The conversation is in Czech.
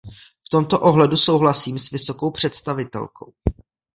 V tomto ohledu souhlasím s vysokou představitelkou.